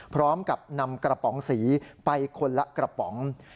พร้อมกับนำกระป๋องสีไปคนละกระป๋อง